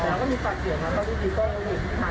เขาก็เลยเดินไปหยุดแล้วตอนนี้ก็เหมือนยังมีอาวุธแล้ว